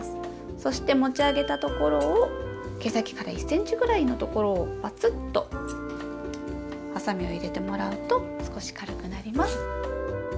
そして持ち上げたところを毛先から１ｃｍぐらいのところをバツッとハサミを入れてもらうと少し軽くなります。